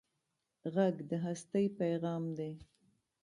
غږ د هستۍ پېغام دی